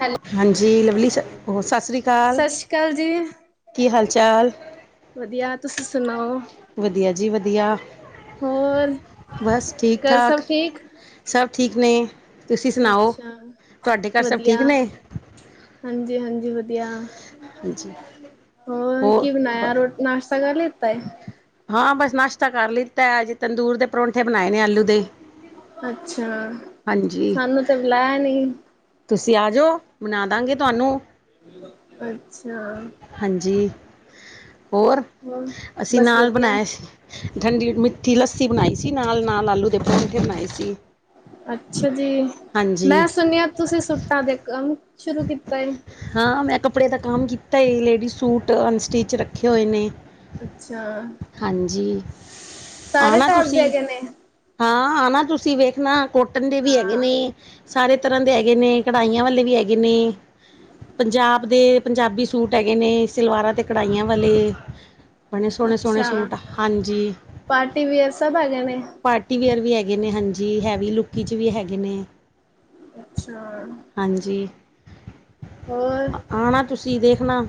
ਹੈਲ ਹਾਂਜੀ ਲਵਲੀ ਸਸ ਸ੍ਰੀ ਅਕਾਲ ਸਸ ਸ੍ਰੀ ਕਾਲ ਜੀ। ਕੀ ਹਾਲ ਚਾਲ। ਵਧੀਆ ਤੁਸੀਂ ਸੁਣਾਓ। ਵਧੀਆ ਜੀ ਵਧੀਆ, ਹੋਰ ਬਸ ਠੀਕ ਘਰ ਠਾਕ। ਸਭ ਠੀਕ ਸਭ ਠੀਕ ਨੇ। ਤੁਸੀਂ ਸੁਣਾਓ ਅੱਛਾ ਤੁਹਾਡੇ ਘਰ ਸਭ ਵਧੀਆ। ਠੀਕ ਨੇ ਹਾਂਜੀ-ਹਾਂਜੀ ਵਧੀਆ। ਹਾਂਜੀ ਹੋ ਹੋਰ ਕਿ ਬ ਬਣਾਇਆ ਨਾਸ਼ਤਾ ਕਰ ਲਿੱਤਾ ਏ। ਹਾਂ ਬਸ ਨਸ਼ਤਾ ਕਰ ਲਿੱਤਾ ਹੈ ਅਜੇ ਤੰਦੂਰ ਦੇ ਪਰੌਂਠੇ ਬਣਾਏ ਨੇ ਆਲੂ ਦੇ। ਅੱਛਾ ਹਾਂਜੀ ਸਾਨੂੰ ਤੇ ਬੁਲਾਇਆ ਨੀ। ਤੁਸੀਂ ਆ ਜਾਓ ਬਣਾ ਦਾਂਗੇ ਤੁਹਾਨੂੰ। ਅੱਛਾ। ਹਾਂਜੀ ਹੋਰ ਹੋਰ ਅਸੀਂ ਬਸ ਨਾਲ ਵਧੀਆ ਬਣਾਏ ਸੀ ਠੰਡੀ ਮਿੱਠੀ ਲੱਸੀ ਬਣਾਈ ਸੀ ਨਾਲ, ਨਾਲ ਆਲੂ ਦੇ ਪਰੌਠੇ ਬਣਾਏ ਸੀ। ਅੱਛਾ ਜੀ ਹਾਂਜੀ ਮੈਂ ਸੁਣਿਆ ਤੁਸੀਂ ਸੁੱਟਾਂ ਦੇ ਕੰਮ ਸ਼ੁਰੂ ਕੀਤਾ ਹੈ। ਹਾਂ ਮੈਂ ਕੱਪੜੇ ਦਾ ਕੰਮ ਕੀਤਾ ਲੇਡੀਜ਼ ਸੂਟ ਅਨਸਟਿਚ ਰੱਖੇ ਹੋਏ ਨੇ। ਅੱਛਾ ਹਾਂਜੀ ਸਾਰੇ ਆਣਾ ਟੋਪ ਦੇ ਤੁਸੀਂ। ਹੈਗੇ ਨੇ ਹਾਂ ਆਣਾ ਤੁਸੀਂ ਵੇਖਣਾ ਕੋਟਨ ਦੇ ਵੀ ਹੈਗੇ ਹਾਂ ਨੇ। ਸਾਰੇ ਤਰ੍ਹਾਂ ਦੇ ਹੈਗੇ ਨੇ ਕਢਾਈਆਂ ਵਾਲੇ ਵੀ ਹੈਗੇ ਨੇ। ਪੰਜਾਬ ਦੇ ਪੰਜਾਬੀ ਸੂਟ ਹੈਗੇ ਨੇ ਸਲਵਾਰਾਂ ਤੇ ਕੜਾਹੀਆਂ ਵਾਲੇ। ਬਣੇ ਸੋਹਣੇ-ਸੋਹਣੇ ਅੱਛਾ ਸੂਟ ਹਾਂਜੀ। ਪਾਰਟੀ ਵੇਅਰ ਸਭ ਹੈਗੇ ਨੇ। ਪਾਰਟੀ ਵੇਅਰ ਵੀ ਹੈਗੇ ਨੇ ਹਾਂਜੀ ਹੈਵੀ ਲੁਕੀ ਚ ਵੀ ਹੈਗੇ ਨੇ। ਅੱਛਾ। ਹਾਂਜੀ ਹੋਰ ਆਣਾ ਤੁਸੀਂ ਦੇਖਣਾ।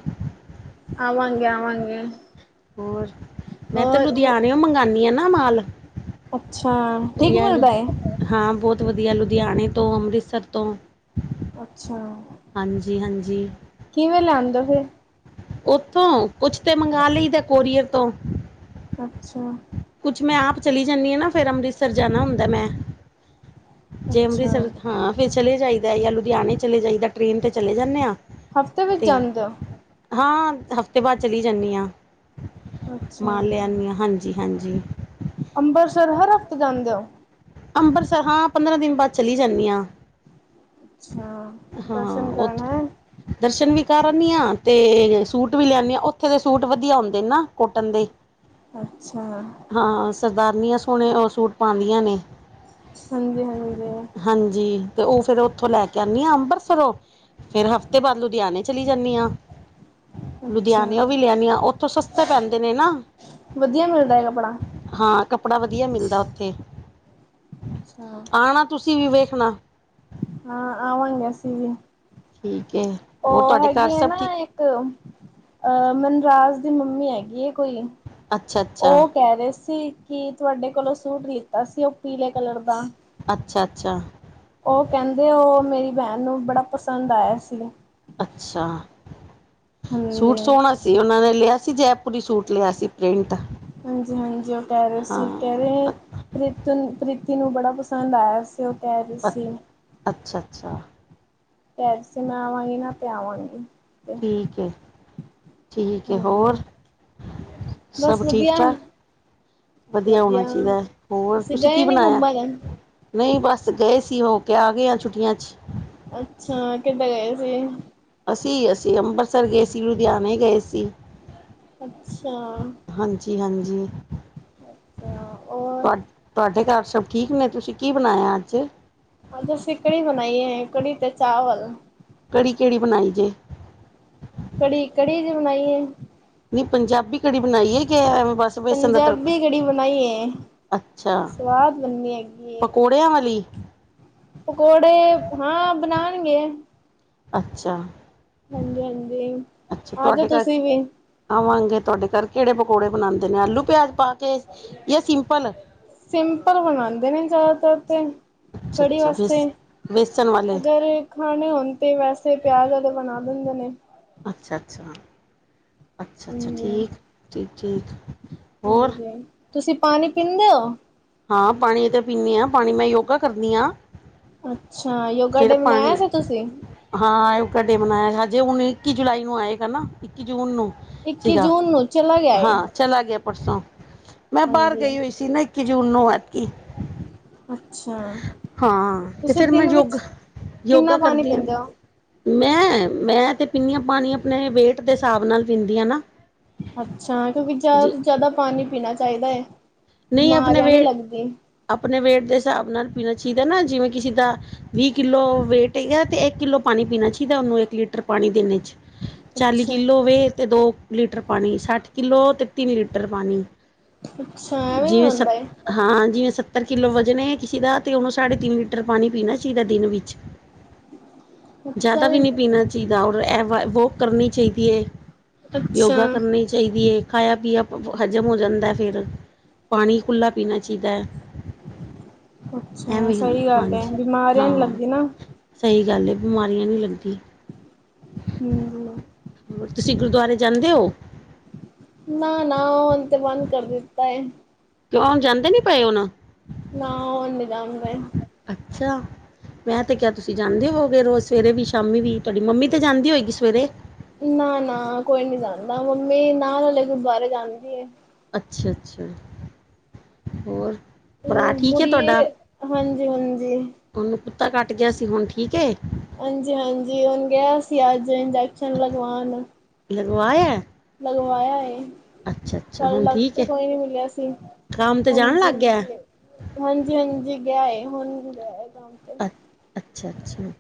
ਆਵਾਂਗੇ-ਆਵਾਂਗੇ। ਹੋਰ ਮੈਂ ਤੇ ਲੁਧਿਆਣੇਓ ਮੰਗਉਣੀ ਆਂ ਨਾ ਮਾਲ ਅੱਛਾ ਠੀਕ ਯਾ ਲੁ ਮਿਲਦਾ ਹੈ। ਹਾਂ ਬਹੁਤ ਵਧੀਆ ਲੁਧਿਆਣੇ ਤੋਂ ਅੰਮ੍ਰਿਤਸਰ ਤੋਂ ਅੱਛਾ। ਹਾਂਜੀ ਹਾਂਜੀ। ਕਿਵੇਂ ਲਿਆਂਦੇ ਔ ਫਿਰ ਉੱਥੋਂ ਕੁਛ ਤੇ ਮੰਗਵਾ ਲਈ ਦਾ ਕੋਰੀਅਰ ਤੋਂ। ਅੱਛਾ। ਕੁਛ ਮੈਂ ਆਪ ਚਲੀ ਜਾਂਨੀ ਆ ਨਾ ਫਿਰ ਅੰਮ੍ਰਿਤਸਰ ਜਾਣਾ ਹੁੰਦਾ ਮੈਂ। ਜੇ ਅੱਛਾ ਅੰਮ੍ਰਿਤਸਰ ਹਾਂ ਫਿਰ ਚਲੇ ਜਾਈਦਾ ਜਾਂ ਲੁਧਿਆਣੇ ਚਲੇ ਜਾਈਦਾ ਟ੍ਰੇਨ ਤੇ ਚਲੇ ਜਾਂਨੇ ਆਂ। ਹਫ਼ਤੇ ਵਿੱਚ ਜਾਂਦੇ ਔ। ਹਾਂ ਹਫ਼ਤੇ ਬਾਅਦ ਚਲੀ ਜਾਂਨੀ ਆਂ ਅੱਛਾ ਮਾਲ ਲੇ ਆਨੀ ਆਂ ਹਾਂਜੀ ਹਾਂਜੀ। ਅੰਮਰਿਤਸਰ ਹਰ ਹਫ਼ਤੇ ਜਾਂਦੇ ਹੋ। ਅੰਮਰਤਸਰ ਹਾਂ ਪੰਦਰਾਂ ਦਿਨ ਬਾਅਦ ਚਲੀ ਜਾਂਨੀ ਆਂ। ਅੱਛਾ ਦਰਸ਼ਨ ਹਾਂ ਕਰਨ ਉੱਥੇ ਹੈ। ਦਰਸ਼ਨ ਵੀ ਕਰ ਆਨੀ ਆਂ ਤੇ ਸੂਟ ਵੀ ਲਿਆਦੀ ਹਾਂ ਉੱਥੇ ਦੇ ਸੂਟ ਵਧੀਆ ਹੁੰਦੇ ਨਾ ਕੋਟਨ ਦੇ। ਅੱਛਾ। ਹਾਂ ਸਰਦਾਰਨੀਆਂ ਸੋਹਣੇ ਉਹ ਸੂਟ ਪਾਉਂਦੀਆਂ ਨੇ। ਸੰਜੀ ਹਾਂਜੀ। ਹਾਂਜੀ ਤੇ ਉਹ ਫੇਿਰ ਉੱਥੋਂ ਲੈ ਕੇ ਆਉਂਦੀ ਆ ਅੰਮ੍ਰਿਤਸਰੋਂ। ਫੇਰ ਹਫ਼ਤੇ ਬਾਅਦ ਲੁਧਿਆਣੇ ਚਲੀ ਜਾਂਨੀ ਆਂ। ਅੱਛਾ ਲੁਧਿਆਣੇਓ ਵੀ ਲੈ ਆਨੀ ਆਂ ਉੱਥੋਂ ਸਸਤੇ ਪੈਂਦੇ ਨੇ ਨਾ। ਵਧੀਆ ਮਿਲਦਾ ਹੈ ਕੱਪੜਾ ਹਾਂ ਕੱਪੜਾ ਵਧੀਆ ਮਿਲਦਾ ਉੱਥੇ ਅੱਛਾ ਆਣਾ ਤੁਸੀਂ ਵੀ ਵੇਖਣਾ ਹਾਂ ਆਵਾਂਗੇ ਅਸੀ ਵੀ ਠੀਕ ਹੈ ਹੋਰ ਉਹ ਤੁਹਾਡੇ ਘਰ ਹੈਗੀ ਐ ਸਭ ਨਾ ਠੀਕ ਇਕ ਇੱਕ ਅਹ ਮਨਰਾਜ ਦੀ ਮੰਮੀ ਹੈਗੀ ਐ ਕੋਈ ਅੱਛਾ ਅੱਛਾ ਉਹ ਕਹਿ ਰਹੇ ਸੀ। ਕੀ ਤੁਹਾਡੇ ਕੋਲੋਂ ਸੂਟ ਲੀਤਾ ਸੀ ਉਹ ਪੀਲੇ ਕਲਰ ਦਾ। ਅੱਛਾ ਅੱਛਾ। ਉਹ ਕਹਿੰਦੇ ਉਹ ਮੇਰੀ ਬੈਣ ਨੂੰ ਬੜਾ ਪਸੰਦ ਆਇਆ ਸੀ। ਅੱਛਾ ਹਾਂਜੀ ਸੂਟ ਸੋਣਾ ਸੀ। ਸੀ, ਉਹਨਾਂ ਨੇ ਲਿਆ ਸੀ ਜੈਪੁਰੀ ਸੂਟ ਲਿਆ ਸੀ ਪ੍ਰਿੰਟ ਹਾਂਜੀ ਹਾਂਜੀ ਉਹ ਕਹਿ ਰਹੇ ਸੀ, ਕਹਿ ਰਹੇ। ਹਾਂ ਪ੍ਰੀਤ ਪ੍ਰੀਤੀ ਨੂੰ ਬੜਾ ਪਸੰਦ ਆਇਆ ਸੀ ਉਹ ਕਹਿ ਰਹੀ ਸੀ। ਅੱਛਾ ਅੱਛਾ। ਪੈਰਸੇ ਮੈਂ ਆਵਾਂਗੀ ਨਾ, ਤੇ ਆਵਾਂਗੀ। ਠੀਕ ਹੈ ਠੀਕ ਹੈ ਹੋਰ। ਹਾਂਜੀ ਬਸ ਸਭ ਠੀਕ ਵਧੀਆ ਠਾਕ। ਵਧੀਆ ਹੋਣਾ ਚਾਹੀਦਾ ਹੈ ਹੋਰ ਤੁਸੀਂ ਕੀ ਗਏ ਨੀ ਬਣਾਇਆ। ਘੁੰਮਣ ਨਹੀਂ ਬਸ ਗਏ ਸੀ ਹੋ ਕੇ ਆ ਗਏ ਆ ਛੁੱਟੀਆਂ 'ਚ। ਅੱਛਾ ਕਿੱਥੇ ਗਏ ਸੀ। ਅਸੀਂ ਅਸੀਂ ਅੰਮ੍ਰਿਤਸਰ ਗਏ ਸੀ ਲੁਧਿਆਣੇ ਗਏ ਸੀ। ਅੱਛਾ ਹਾਂਜੀ ਹਾਂਜੀ ਅੱਛਾ ਔਰ ਤੁਹਾਡੇ ਤੁਹਾਡੇ ਘਰ ਸਭ ਠੀਕ ਨੇ ਤੁਸੀਂ ਕੀ ਬਣਾਇਆ ਅੱਜ। ਅਜ ਅਸੀ ਕੜੀ ਬਣਾਈ ਹੈ ਕੜੀ ਤੇ ਚਾਵਲ। ਕਿੜੀ ਕਿਹੜੀ ਬਣਾਈ ਜੇ। ਕੜੀ ਕੜੀ ਜੀ ਬਣਾਈ ਆ। ਨੀ ਪੰਜਾਬੀ ਕੜੀ ਬਣਾਈ ਆ ਕੇ ਐਵੇਂ ਬਸ। ਬੇਸਣ ਦਾ ਤੜਕਾ ਪੰਜਾਬੀ ਕੜੀ ਬਣਾਈਏ ਸਵਾਦ ਬਣਨੀ ਹੈਗੀ ਐ। ਦਈਆਂ ਵਾਲੀ। ਪਕੌੜੇ ਹਾਂ ਬਣਾਣਗੇ। ਅੱਛਾ। ਹਾਂਜੀ ਹਾਂਜੀ ਅੱਛਾ ਆਜੋ ਤੁਹਾਡੇ ਘਰ ਤੁਸੀਂ ਵੀ। ਆਵਾਂਗੇ ਤੁਹਾਡੇ ਘਰ ਕਿਹੜੇ ਪਕੌੜੇ ਬਣਾਂਦੇ ਨੇ ਆਲੂ ਪਿਆਜ ਪਾ ਕੇ ਜਾਂ ਸਿੰਪਲ ਸਿੰਪਲ ਬਣਾਂਦੇ ਨੇ ਜ਼ਿਆਦਾਤਰ ਤੇ ਅੱਛਾ ਕੜੀ ਅੱਛਾ ਵਾਸਤੇ ਬੇਸ ਬੇਸਣ ਵਾਲੇ ਅਗਰ ਖਾਣੇ ਹੋਣ ਤੇ ਵੈਸੇ ਪਿਆਜ ਦਾ ਅਲੱਗ ਬਣਾ ਦਿੰਦੇ ਨੇ। ਅੱਛਾ ਅੱਛਾ ਅੱਛਾ ਅੱਛਾ ਹਾਂਜੀ ਠੀਕ ਠੀਕ ਠੀਕ। ਹੋਰ ਹਾਂਜੀ ਤੁਸੀਂ ਪਾਣੀ ਪੀਂਦੇ ਹੋ। ਹਾਂ ਪਾਣੀ ਤਾਂ ਪੀਣੇ ਆ ਪਾਣੀ ਮੈਂ ਯੋਗਾ ਕਰਦੀ ਹਾਂ। ਅੱਛਾ ਯੋਗਾ ਫਿਰ ਡੇ ਮਨਾਇਆ ਪਾਣੀ ਸੀ ਤੁਸੀਂ। ਹਾਂ [unintelligible] ਮਨਾਇਆ ਹਜੇ ਹੁਣ ਇੱਕੀ ਜੁਲਾਈ ਨੂੰ ਆਏਗਾ ਨਾ ਇੱਕੀ ਜੂਨ ਨੂੰ। ਇੱਕੀ ਸੀਗਾ ਜੂਨ ਨੂੰ ਚਲਾ ਗਿਆ ਹਾਂ ਏ ਚਲਾਂਗੇ ਪਰਸੋਂ ਮੈਂ ਬਾਹਰ ਹਾਂਜੀ ਗਈ ਹੋਈ ਸੀ ਨਾ। ਇੱਕੀ ਜੂਨ ਨੂੰ [unintelligible] ਅੱਛਾ। ਹਾਂ ਤੇ ਤੁਸੀਂ ਫਿਰ ਮੈਂ ਦਿਨ ਯੋਗਾ ਵਿੱਚ ਕਿੰਨਾ ਯੋਗਾ ਪਾਣੀ ਕਰਦੀ ਆ। ਪੀਂਦੇ ਹੋ? ਮੈਂ ਮੈਂ ਤੇ ਪੀਣੀ ਆਂ ਪਾਣੀ ਆਪਣੇ ਵੇਟ ਦੇ ਹਿਸਾਬ ਨਾਲ ਪੀਂਦੀ ਆ ਨਾ। ਅੱਛਾ ਕਿਉਂਕਿ ਜ਼ਿਆਦਾ ਜੀ ਤੋਂ ਜ਼ਿਆਦਾ ਪਾਣੀ ਪੀਣਾ ਚਾਹੀਦਾ ਐ। ਨਹੀਂ ਆਪਣੇ ਵੇਟ ਆਪਣੇ ਵੇਟ ਦੇ ਹਿਸਾਬ ਨਾਲ ਪੀਣਾ ਚਾਹੀਦਾ ਨਾ ਜਿਵੇਂ ਕਿਸੇ ਦਾ ਵੀਹ ਕਿੱਲੋ ਵੇਟ ਹੈਗਾ ਤੇ ਇੱਕ ਕਿੱਲੋ ਪਾਣੀ ਪੀਣਾ ਚਾਹੀਦਾ ਉਹਨੂੰ ਇੱਕ ਲੀਟਰ ਪਾਣੀ ਦਿਨ ਵਿੱਚ। ਚਾਲੀ ਅੱਛਾ, ਕਿੱਲੋ ਹੋਵੇ ਤੇ ਦੋ ਲੀਟਰ ਪਾਣੀ ਸੱਠ ਕਿੱਲੋ ਤੇ ਤਿੰਨ ਲੀਟਰ ਪਾਣੀ ਅੱਛਾ ਐਵੇਂ ਜਿਵੇਂ ਸ ਹੁੰਦਾ। ਹਾਂ ਜਿਵੇਂ ਸੱਤਰ ਕਿੱਲੋ ਵਜਣ ਐ ਕਿਸੇ ਦਾ ਤੇ ਉਹਨੂੰ ਸਾਢੇ ਤਿੰਨ ਲੀਟਰ ਪਾਣੀ ਪੀਣਾ ਚਾਹੀਦਾ ਦਿਨ ਵਿੱਚ। [unintelligible] ਜ਼ਿਆਦਾ ਅੱਛਾ ਵੀ ਜੀ, ਨਹੀਂ ਪੀਣਾ ਚਾਹੀਦਾ ਔਰ ਐ ਵੀ ਵੋਕ ਕਰਨੀ ਚਾਹੀਦੀ ਐ। ਅੱਛਾ। ਕਰਨੀ ਚਾਹੀਦੀ ਐ ਖਾਇਆ ਪੀਆ ਹਜ਼ਮ ਹੋ ਜਾਂਦਾ ਫੇਰ ਪਾਣੀ ਖੁੱਲ੍ਹਾ ਪੀਣਾ ਚਾਹੀਦਾ। ਅੱਛਾ, ਐਵੇਂ ਸਹੀ ਹੁੰਦਾ ਗੱਲ ਹੈ ਹਾਂਜੀ ਬਿਮਾਰੀਆਂ ਨੀ ਹਾਂ ਲੱਗਦੀ ਨਾ। ਸਹੀ ਗੱਲ ਬਿਮਾਰੀਆਂ ਨੀ ਲੱਗਦੀ ਹੂੰ ਹੋਰ ਤੁਸੀਂ ਗੁਰਦੁਆਰੇ ਜਾਂਦੇ ਹੋ। ਨਾ ਨਾ ਹੁਣ ਤੇ ਬੰਦ ਕਰ ਦਿੱਤਾ ਏ। ਕਿਉਂ ਜਾਂਦੇ ਨੀ ਪਏ ਹੁਣ, ਨਾ ਹੁਣ ਨੀ [unintelligible] ਅੱਛਾ। ਮੈ ਤੇ ਕਿਆ ਤੁਸੀਂ ਜਾਂਦੇ ਹੋਗੇ ਰੋਜ਼ ਸਵੇਰੇ ਵੀ ਸ਼ਾਮੀ ਵੀ ਤੁਹਾਡੀ ਮੰਮੀ ਤੇ ਜਾਂਦੀ ਹੋਏਗੀ ਸਵੇਰੇ ਨਾ ਨਾ ਕੋਈ ਨੀ ਜਾਂਦਾ ਮੰਮੀ ਨਾਲ ਵਾਲੇ ਗੁਰਦੁਆਰੇ ਜਾਂਦੀ ਐ। ਅੱਛਾ-ਅੱਛਾ ਹੋਰ- ਭਰਾ ਠੀਕ ਹੈ ਤੁਹਾਡਾ ਬੂੜੀਏ ਹਾਂਜੀ-ਹਾਂਜੀ ਉਹਨੂੰ ਕੁੱਤਾ ਕੱਟ ਗਿਆ ਸੀ ਹੁਣ ਠੀਕ ਏ ਹਾਂਜੀ- ਹਾਂਜੀ ਹੁਣ ਗਿਆ ਸੀ ਅਜ ਇੰਜੈਕਸ਼ਨ ਲਗਵਾਣ- ਲਗਵਾਆ ਆਇਆ। ਲਗਵਾਇਆ- ਕੱਲ ਹੁਣ ਠੀਕ ਏ ਡਾਕਟਰ ਕੋਈ ਨੀ ਮਿਲਿਆ ਸੀ ਕੰਮ ਤੇ ਜਾਣ ਹਾਂਜੀ- ਲੱਗ ਗਿਆ ਹਾਂਜੀ- ਹਾਂਜੀ- ਹਾਂਜੀ ਗਿਆ ਹੁਣ ਗਿਆ ਹੈ। ਕੰਮ- ਤੇ ਅੱ ਅਛਾ- ਅਛਾ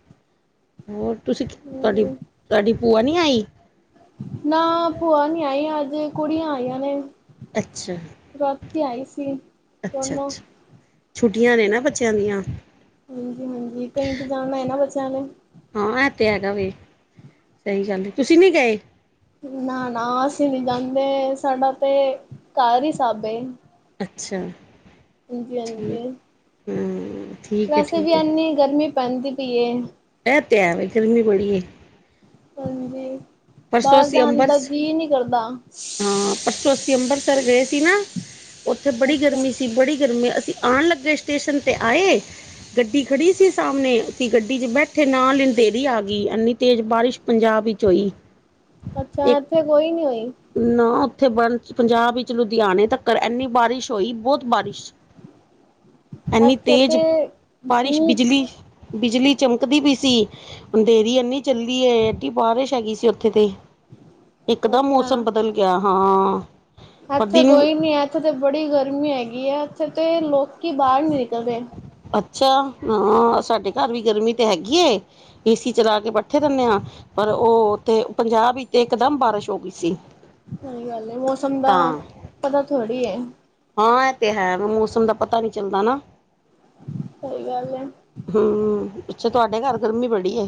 ਹੋਰ ਤੁਸੀ ਤੁਹਾਡੀ- ਹਾਂਜੀ ਤੁਹਾਡੀ- ਭੂਆ ਨਹੀ ਆਈ- ਨਾ ਭੂਆ ਨੀ ਆਈ ਅਜ ਕੁੜੀਆਂ ਆਈਆਂ ਨੇ- ਅੱਛਾ ਰਾਤੀ ਆਈ ਸੀ ਅੱਛਾ ਦੋਨੋ- ਅੱਛਾ ਛੁੱਟੀਆਂ ਨੇ ਨਾ ਬੱਚਿਆਂ ਦੀਆਂ। ਹਾਂਜੀ- ਹਾਂਜੀ ਕਈ ਇੰਤਜਾਮ ਹ ਨਾ ਬੱਚਿਆਂ ਲਈ- ਹਾਂ ਐ ਤੇ ਹੈਗਾ ਵੇ ਸਹੀ ਗੱਲ ਤੁਸੀ ਨੀ ਗਏ- ਨਾ- ਨਾ ਅਸੀ ਨੀ ਜਾਂਦੇ ਸਾਡਾ ਤੇ ਘਰ ਹੀ ਸਬ ਏ- ਅਛਾ- ਹਾਂਜੀ- ਹਾਂਜੀ ਠੀਕ ਹੈ ਵੈਸੇ ਵੀ ਠੀਕ ਇਨੀ ਗਰਮੀ ਪੈਂਦੀ ਪਈਏ- ਐਹ ਤੇ ਹੈਵੇ ਗਰਮੀ ਬੜੀ ਏ- ਹਾਂਜੀ ਪਰਸੋਂ ਬਾਰ ਅਸੀਂ ਜਾਣ ਦਾ ਅੰਬਰਸ ਜੀਅ ਨਹੀ ਕਰਦਾ- ਹਾਂ ਪਰਸੋਂ ਅਸੀ ਅੰਬਰਸਰ ਗਏ ਸੀ ਨਾ ਉਥੇ ਬੜੀ ਅੱਛਾ ਗਰਮੀ ਸੀ ਬੜੀ ਗਰਮੀ ਅਸੀ। ਆਣ ਲੱਗੇ ਸਟੇਸ਼ਨ ਤੇ ਆਏ- ਗੱਡੀ ਖੜੀ ਸੀ ਸਾਮਣੇ ਸੀ ਗੱਡੀ 'ਚ ਬੈਠੇ ਨਾਲ ਅੰਧੇਰੀ ਆ ਗਈ ਇੰਨੀ ਤੇਜ਼ ਬਾਰਿਸ਼- ਪੰਜਾਬ ਵਿਚ ਹੋਈ- ਅਛਾ ਇੱਕ ਐਥੇ ਕੋਈ ਨੀ ਹੋਈ- ਨਾ ਉਥੇ ਬਣ ਪੰਜਾਬ ਵਿਚ ਲੁਧਿਆਣੇ ਤੱਕ ਇਨੀ ਬਾਰਿਸ਼- ਹੋਈ ਬੋਤ ਬਾਰਿਸ਼ ਐੰਨੀ ਇੱਥੇ ਤੇਜ਼ ਤੇ ਬਾਰਿਸ਼ ਧੂਪ ਬਿਜਲੀ- ਬਿਜਲੀ ਚਮਕਦੀ ਪਈ ਸੀ। ਅੰਧੇਰੀ ਐਨੀ ਚੱਲੀਏ ਐਡੀ ਬਾਰਿਸ਼ ਹੈਗੀ ਸੀ ਉਥੇ ਤੇ- ਇੱਕ ਦਮ ਮੌਸਮ ਅੱਛਾ ਬਦਲ ਗਿਆ ਹਾਂ- ਪਰ ਇੱਥੇ ਦਿਨ ਕੋਈ ਨੀ ਹੈ। ਇੱਥੇ ਤਾਂ ਬੜੀ ਗਰਮੀ ਹੈਗੀ ਹੈ। ਇੱਥੇ ਤੇ ਲੋਕੀ ਬਾਹਰ ਨੀ ਨਿਕਲਦੇ- ਅਛਾ ਹਾਂ ਸਾਡੇ ਘਰ ਵੀ ਗਰਮੀ ਤੇ ਹੈਗੀ ਏ ਏਸੀ ਚਲਾ ਕੇ ਬੈਠੇ ਰੈਂਦੇ ਹਾਂ। ਪਰ ਉਹ ਉਥੇ ਪੰਜਾਬ ਹੀਤੇ ਇਕਦਮ ਬਾਰਿਸ਼ ਹੋ ਗਈ ਸੀ। ਸਹੀ ਗੱਲ ਏ ਮੌਸਮ ਦਾ ਤਾਂ ਪਤਾ ਥੋੜ੍ਹੀ ਹੈ। ਹਾਂ ਇਹ ਤੇ ਹੈ ਮੌਸਮ ਦਾ ਪਤਾ ਨੀ ਚੱਲਦਾ ਨਾ- ਸਹੀ ਗੱਲ ਹੈ। ਹਮ ਅਛਾ ਤੁਹਾਡੇ ਘਰ ਗਰਮੀ ਬੜੀ ਏ।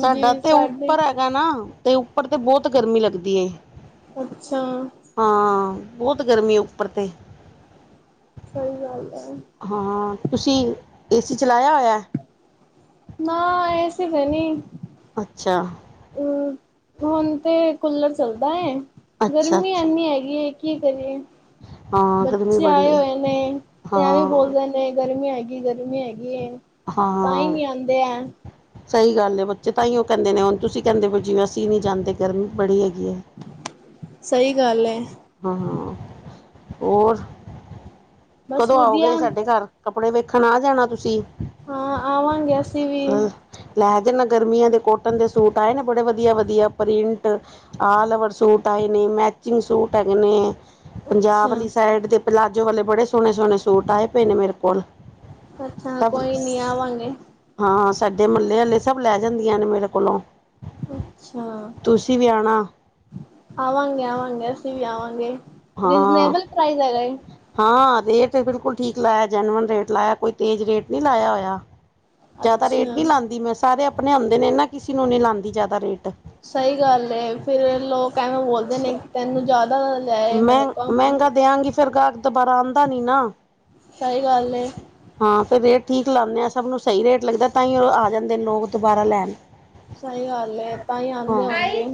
ਸਾਡਾ ਤੇ ਸਾਡੇ ਉੱਪਰ ਹੈ। ਨਾ ਤੇ ਉੱਪਰ ਤੇ ਬੋਤ ਗਰਮੀ ਲੱਗਦੀ ਏ। ਅੱਛਾ ਹਾਂ ਬੋਤ ਗਰਮੀ ਏ ਉੱਪਰ ਤੇ। ਸਹੀ ਗੱਲ ਹੈ। ਹਾਂ ਤੁਸੀਂ ਏ -ਸੀ ਚਲਾਇਆ ਹੋਇਆ? ਨਾ ਏ-ਸੀੇ ਤਾਂ ਨਹੀਂ। ਅੱਛਾ ਅਮ ਹੁਣ ਤੇ ਕੂਲਰ ਚੱਲਦਾ ਏ। ਅੱਛਾ ਗਰਮੀ ਅੱਛਾ ਇੰਨੀ ਹੈਗੀ ਏ। ਕੀ ਕਰੀਏ? ਹਾਂ ਗਰਮੀ ਬੱਚੇ ਬੜੀ ਆਏ ਹੈ ਹੋਏ ਨੇ ਤੇ ਐਵੇਂ ਹਾਂ ਬੋਲਦੇ ਨੇ। ਨਹੀਂ ਗਰਮੀ ਹੈਗੀ ਗਰਮੀ ਹੈਗੀ ਏ। ਹਾਂ। ਸਹੀ ਗੱਲ ਏ ਬੱਚੇ ਤਾਂ ਹੀ ਉਹ ਕਹਿੰਦੇ ਨੇ, ਹੁਣ ਤੁਸੀਂ ਕਹਿੰਦੇ ਹੋ ਜਿਵੇਂ ਅਸੀਂ ਨਹੀਂ ਜਾਂਦੇ, ਗਰਮੀ ਬੜੀ ਹੈਗੀ ਹੈ। ਸਹੀ ਗੱਲ ਐ। ਹਾਂ, ਹੋਰ? ਬਸ ਕਦੋਂ ਵਧੀਆ ਆਓਗੇ ਸਾਡੇ ਘਰ? ਕੱਪੜੇ ਵੇਖਣ ਆ ਜਾਣਾ ਤੁਸੀਂ। ਹਾਂ, ਆਵਾਂਗੇ ਅਸੀਂ ਵੀ। ਅ ਲੈ ਤੇ ਮੈਂ ਗਰਮੀਆਂ ਦੇ ਕੋਟਨ ਦੇ ਸੂਟ ਆਏ ਨੇ ਬੜੇ ਵਧੀਆ- ਵਧੀਆ ਪ੍ਰਿੰਟ- ਆਲਵਰ ਸੂਟ ਹੈਗੇ ਨੇ, ਮੈਚਿੰਗ ਸੂਟ ਹੈਗੇ ਨੇ। ਪੰਜਾਬ ਅੱਛਾ। ਵਾਲੀ ਸਾਈਡ ਦੇ ਪਲਾਜੋ ਵਾਲੇ ਬੜੇ ਸੋਹਣੇ- ਸੋਹਣੇ ਸੂਟ ਆਏ ਪਏ ਨੇ ਮੇਰੇ ਕੋਲ। ਅੱਛਾ, ਕੋਈ ਨੀ ਆਵਾਂਗੇ। ਹਾਂ- ਹਾਂ, ਸਾਡੇ ਮਹੱਲੇ ਆਲੇ ਸਭ ਲੈ ਜਾਂਦੀਆਂ ਨੇ ਮੇਰੇ ਕੋਲੋਂ। ਅੱਛਾ, ਤੁਸੀਂ ਵੀ ਆਣਾ ਆਵਾਂਗੇ-ਆਵਾਂਗੇ ਅਸੀਂ ਵੀ ਆਵਾਂਗੇ। ਹਾਂ ਰੀਜਨੇਬਲ ਪ੍ਰਾਈਜ਼ ਹੈਗਾ ਈ। ਹਾਂ, ਰੇਟ ਬਿਲਕੁਲ ਠੀਕ ਲਾਇਆ, ਜੈਨੂਅਨ ਰੇਟ ਲਾਇਆ। ਕੋਈ ਤੇਜ਼ ਰੇਟ ਨਹੀਂ ਲਾਇਆ ਹੋਇਆ। ਜ਼ਿਆਦਾ ਰੇਟ ਨੀ ਅੱਛਾ। ਲਾਉਂਦੀ ਮੈਂ ਸਾਰੇ ਆਪਣੇ ਆਉਂਦੇ ਨੇ ਨਾ ਕਿਸੇ ਨੂੰ ਨੀ ਲਾਉਂਦੀ ਜ਼ਿਆਦਾ ਰੇਟ। ਸਹੀ ਗੱਲ ਏ, ਫਿਰ ਲੋਕ ਐਵੇਂ ਬੋਲਦੇ ਨੇ ਤੈਨੂੰ ਜ਼ਿਆਦਾ ਲਿਆਏ ਮੈਂ ਮੈਨੂੰ ਕੰਮ ਆ। ਮਹਿੰਗਾ ਦਿਆਂਗੀ ਫਿਰ ਗਾਹਕ ਦੁਬਾਰਾ ਆਉਂਦਾ ਨੀ ਨਾ। ਸਹੀ ਗੱਲ ਏ। ਹਾਂ, ਫਿਰ ਰੇਟ ਠੀਕ ਲਾਉਦੇ ਆਂ। ਸਭ ਨੂੰ ਸਹੀ ਰੇਟ ਲੱਗਦਾ ਤਾਂ ਹੀ ਉਹ ਆ ਜਾਂਦੇ ਲੋਕ ਦੁਬਾਰਾ ਲੈਣ। ਸਹੀ ਗੱਲ ਏ ਤਾਂ ਹੀ ਆਂਦੇ ਹਾਂ ਆਉਣਗੇ।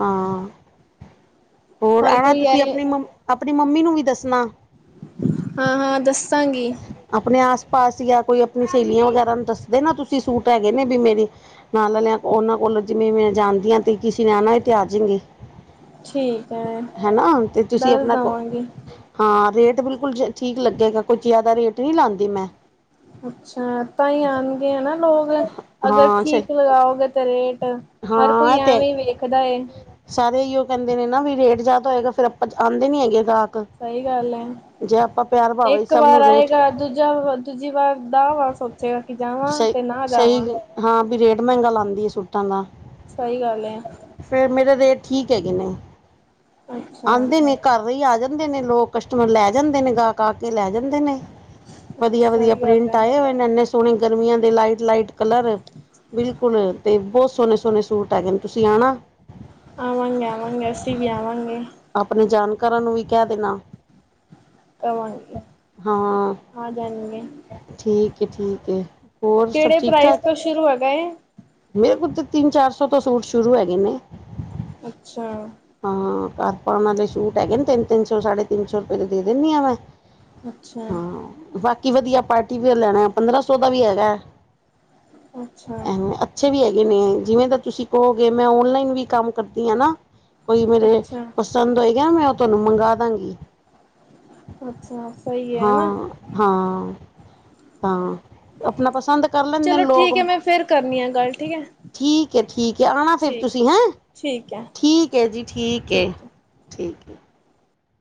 ਹਾਂ। ਹੋਰ, ਹਰ ਆਉਣਾ ਕੋਈ ਤੁਸੀਂ ਆਏ ਆਪਣੀ ਆਪਣੀ ਮੰਮੀ ਨੂੰ ਵੀ ਦੱਸਣਾ। ਹਾਂ-ਹਾਂ, ਦੱਸਾਂਗੀ। ਆਪਣੇ ਆਸ-ਪਾਸ ਜਾਂ ਕੋਈ ਆਪਣੀ ਸਹੇਲੀਆਂ ਵਗੈਰਾ ਨੂੰ ਦੱਸਦੇ ਨਾ ਤੁਸੀਂ ਸੂਟ ਹੈਗੇ ਨੇ ਵੀ ਮੇਰੀ ਨਾਲ ਆਲਿਆ ਉਹਨਾਂ ਕੋਲੋਂ ਜਿਵੇਂ ਮੈਂ ਜਾਂਦੀ ਤੇ ਕਿਸੇ ਨੇ ਆ ਨਾ ਵੀ ਤੇ ਆ ਜਾਣਗੇ। ਠੀਕ। ਐ। ਹੈਨਾ? ਤੇ ਤੁਸੀਂ ਦੱਸ ਆਪਣਾ ਕੋ ਦਵਾਂਗੀ। ਹਾਂ ਰੇਟ ਬਿਲਕੁਲ ਠੀਕ ਲੱਗੇਗਾ। ਕੁਝ ਜ਼ਿਆਦਾ ਰੇਟ ਨਹੀਂ ਲਾਉਂਦੀ ਮੈਂ। ਅੱਛਾ, ਤਾਂ ਹੀ ਆਉਣਗੇ ਹਨਾ ਲੋਕ? ਅਗਰ ਹਾਂ ਸਹੀ ਠੀਕ ਲਗਾਓਗੇ ਤੇ ਰੇਟ ਹਰ ਹਾਂ ਕੋਈ ਇਹ ਤੇ ਐਵੇਂ ਹੀ ਵੇਖਦਾ ਏ। ਸਾਰੇ ਇਹੀੳ ਕਹਿੰਦੇ ਨੇ ਨਾ ਵੀ ਰੇਟ ਜ਼ਿਆਦਾ ਹੋਏਗਾ। ਫਿਰ ਆਪਾਂ ਆਉਂਦੇ ਨੀ ਹੈਗੇ ਗਾਹਕ। ਸਹੀ ਗੱਲ ਏ। ਜੇ ਆਪਾਂ ਪਿਆਰ ਭਾਵੇ ਇੱਕ ਸਭ ਵਾਰ ਨੂੰ ਰੇਟ ਆਏਗਾ, ਦੂਜਾ ਦੂਜੀ ਵਾਰ - ਵਾਰ ਸੋਚੇਗਾ ਕਿ ਜਾਵਾਂ ਸਹੀ ਤੇ ਨਾ ਸਹੀ ਜਾਵਾਂ! ਹਾਂ ਵੀ ਰੇਟ ਮਹਿੰਗਾ ਲਾਉਂਦੀ ਆ ਸੂਟਾਂ ਦਾ। ਸਹੀ ਗੱਲ ਏ। ਫੇਰ ਮੇਰੇ ਰੇਟ ਠੀਕ ਹੈਗੇ ਨੇ। ਅੱਛਾ ਆਉਂਦੇ ਨੇ ਘਰ ਹੀ ਆ ਜਾਂਦੇ ਨੇ ਲੋਕ ਕਸਟਮਰ ਲੈ ਜਾਂਦੇ ਨੇ ਗਾਹਕ। ਆ ਕੇ ਲੈ ਜਾਂਦੇ ਨੇ। ਵਧੀਆ-ਵਧੀਆ ਸਹੀ ਗੱਲ ਪ੍ਰਿੰਟ ਹੈ ਆਏ ਹੋਏ। ਇੰਨੇ ਸੋਹਣੇ ਗਰਮੀਆਂ ਦੇ ਲਾਈਟ-ਲਾਈਟ ਕਲਰ ਬਿਲਕੁਲ ਤੇ ਬਹੁਤ ਸੋਹਣੇ-ਸੋਹਣੇ ਸੂਟ ਹੈਗੇ ਨੇ ਤੁਸੀਂ ਆਉਣਾ। ਆਵਾਂਗੇ- ਆਵਾਂਗੇ ਅਸੀਂ ਵੀ ਆਵਾਂਗੇ। ਆਪਣੇ ਜਾਣਕਾਰਾਂ ਨੂੰ ਵੀ ਕਹਿ ਦੇਣਾ। ਕਵਾਂਗੀ, ਹਾਂ ਆਹ ਜਾਣਗੇ। ਠੀਕ ਏ-ਠੀਕ ਏ। ਹੋਰ ਸਭ ਕਿਹੜੇ ਪ੍ਰਾਈਜ਼ ਠੀਕ-ਠਾਕ ਤੋਂ ਸ਼ੁਰੂ ਹੈਗੇ। ਮੇਰੇ ਕੋਲ ਤਾਂ ਤਿੰਨ -ਚਾਰ ਸੌ ਤੋਂ ਸੂਟ ਸ਼ੁਰੂ ਹੈਗੇ ਨੇ। ਅੱਛਾ। ਹਾਂ, ਘਰ ਪਾਉਣ ਵਾਲੇ ਸੂਟ ਹੈਗੇ ਨੇ ਤਿੰਨ ਤਿੰਨ ਸੌ ਸਾਢੇ ਤਿੰਨ ਸੌ ਰੁਪਏ ਦੇ ਦਿੰਦੀ ਆਂ ਮੈਂ। ਅੱਛਾ। ਹਾਂ ਬਾਕੀ ਵਧੀਆ ਪਾਰਟੀ ਵੀਅਰ ਲੈਣਾ, ਪੰਦਰਾਂ ਸੌ ਦਾ ਵੀ ਹੈਗਾ, ਅੱਛਾ ਐਵੇਂ ਅੱਛੇ ਵੀ ਹੈਗੇ ਨੇ, ਜਿਵੇਂ ਦਾ ਤੁਸੀਂ ਕਹੋਗੇ ਮੈਂ ਓਨਲਾਈਨ ਵੀ ਕੰਮ ਕਰਦੀ ਹਾਂ ਨਾ। ਕੋਈ ਮੇਰੇ, ਅੱਛਾ ਪਸੰਦ ਹੋਏਗਾ ਮੈਂ ਉਹ ਤੁਹਾਨੂੰ ਮੰਗਵਾ ਦਾਂਗੀ। ਜੀ, ਅੱਛਾ ਸਹੀ ਹੈ ਨਾ ਹਾਂ। ਹਾਂ, ਤਾਂ, ਆਪਣਾ ਪਸੰਦ ਕਰ ਲੈਂਦੇ ਚਲੋ ਨੇ ਠੀਕ ਹੈ ਲੋਕ ਮੈਂ ਫਿਰ ਕਰਨੀ ਆ, ਗੱਲ ਠੀਕ ਹੈ। ਠੀਕ ਹੈ, ਠੀਕ ਹੈ ਆਉਣਾ ਫਿਰ ਠੀਕ ਤੁਸੀਂ, ਹੈਂ, ਠੀਕ ਹੈ ਠੀਕ ਹੈ ਜੀ, ਠੀਕ ਹੈ। ਠੀਕ ਹੈ।